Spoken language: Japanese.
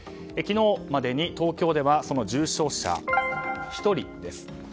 昨日までに東京では重症者１人です。